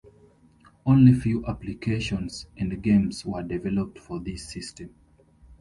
Only few applications and games were developed for this system.